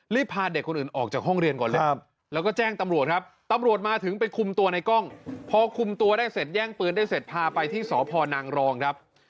พาเด็กคนอื่นออกจากห้องเรียนก่อนเลยแล้วก็แจ้งตำรวจครับตำรวจมาถึงไปคุมตัวในกล้องพอคุมตัวได้เสร็จแย่งปืนได้เสร็จพาไปที่สพนางรองครับ